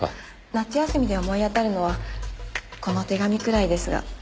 夏休みで思い当たるのはこの手紙くらいですが。